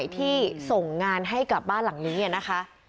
ที่ส่งงานให้กับบ้านหลังนี้นะคะ